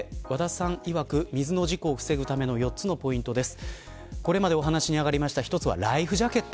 そして、和田さんいわく水の事故を防ぐために４つのポイントです。